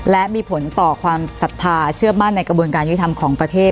และมีผลต่อความศรัทธาเชื่อมั่นในกระบวนการยุทธรรมของประเทศ